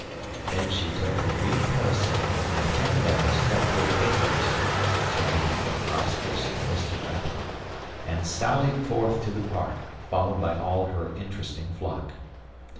Then she took her green parasol and a hand bag stuffed with papers (to make it look prosperous and aristocratic) and sallied forth to the park, followed by all her interesting flock.